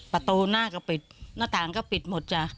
ประตูหน้าก็ปิดหน้าต่างก็ปิดหมดจ้ะ